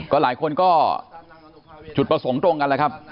ก็หลายคนก็จุดประสงค์ตรงกันแล้วครับ